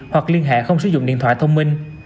hoặc liên hệ không sử dụng điện thoại thông minh